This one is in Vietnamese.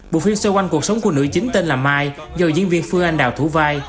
bộ phim xoay quanh cuộc sống của nữ chính tên là mai do diễn viên phương anh đào thủ vai